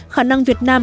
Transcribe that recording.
khả năng việt nam